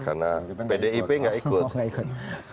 karena pdip nggak ikut